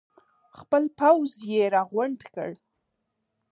خپل پوځ یې راغونډ کړ.